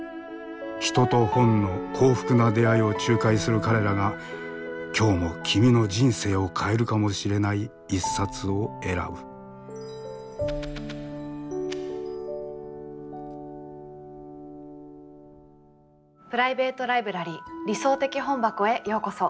人と本の幸福な出会いを仲介する彼らが今日も君の人生を変えるかもしれない一冊を選ぶプライベート・ライブラリー「理想的本箱」へようこそ。